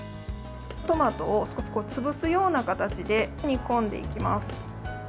トマトを少し潰すような形で煮込んでいきます。